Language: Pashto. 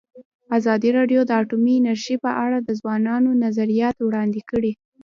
ازادي راډیو د اټومي انرژي په اړه د ځوانانو نظریات وړاندې کړي.